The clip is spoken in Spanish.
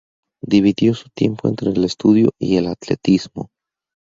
Dividió su tiempo entre el estudio y el atletismo.